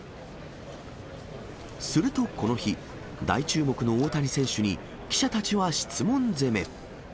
するとこの日、大注目の大谷選手に記者たちは質問攻め。